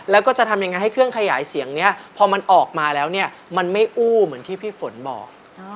แล้วก็จะทำยังไงให้เครื่องขยายเสียงนี้พอมันออกมาแล้วเนี่ยมันไม่อู้เหมือนที่พี่ฝนบอก